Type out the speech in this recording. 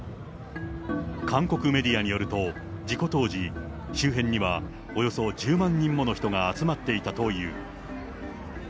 韓国メディアによると、事故当時、周辺にはおよそ１０万人もの人が集まっていたという。